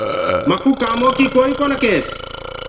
مڪوُ ڪآمو ڪيٚ ڪوئي ڪونآ ڪيس۔